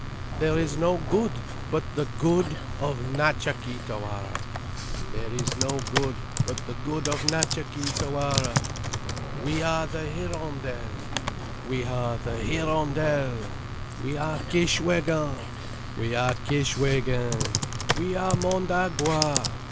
"THERE IS NO GOOD BUT THE GOOD OF NATCHA KEE TAWARA." "There is no good but the good of Natcha Kee Tawara." "WE ARE THE HIRONDELLES." "We are the Hirondelles." "WE ARE KISHWÉGIN." "We are Kishwégin." "WE ARE MONDAGUA."